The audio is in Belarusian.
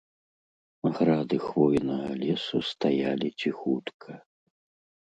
Грады хвойнага лесу стаялі ціхутка.